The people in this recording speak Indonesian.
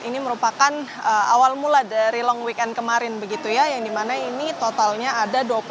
ini merupakan awal mula dari long weekend kemarin begitu ya yang dimana ini totalnya ada dua puluh empat sembilan ratus lima puluh penumpang